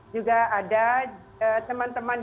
juga ada teman teman